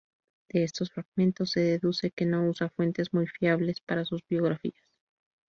De estos fragmentos se deduce que no usa fuentes muy fiables para sus biografías.